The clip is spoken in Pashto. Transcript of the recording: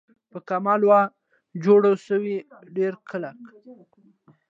په کمال وه جوړه سوې ډېره کلکه